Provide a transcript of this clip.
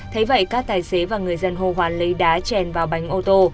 thấy vậy các tài xế và người dân hô hoan lấy đá chèn vào bánh ô tô